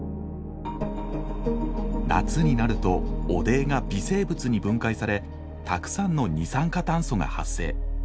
夏になると汚泥が微生物に分解されたくさんの二酸化炭素が発生。